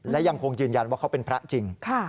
และยังคงยืนยันว่าเขาเป็นพระจริง